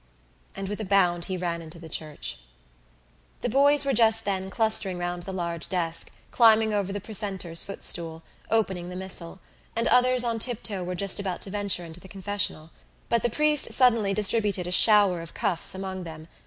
And with a bound he ran into the church. The boys were just then clustering round the large desk, climbing over the precentor's footstool, opening the missal; and others on tiptoe were just about to venture into the confessional. But the priest suddenly distributed a shower of cuffs among them.